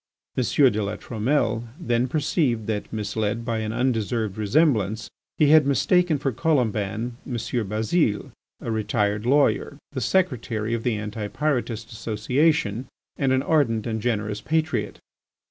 M. de La Trumelle then perceived that, misled by an undeserved resemblance, he had mistaken for Colomban, M. Bazile, a retired lawyer, the secretary of the Anti pyrotist Association, and an ardent and generous patriot.